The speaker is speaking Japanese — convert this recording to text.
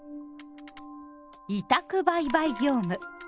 委託売買業務。